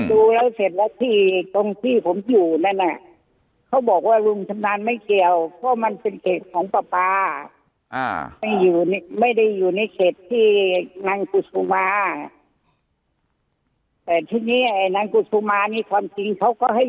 มาดูแล้วเสร็จแล้วพี่ตรงที่ผมอยู่นั่นเนี่ยเขาบอกว่า